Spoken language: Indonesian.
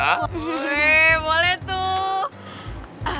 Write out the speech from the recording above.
boleh boleh tuh